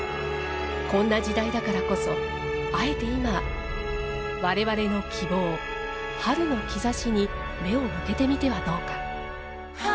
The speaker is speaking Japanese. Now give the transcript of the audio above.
こんな時代だからこそ、あえて今我々の希望、「春の兆し」に目を向けてみてはどうか。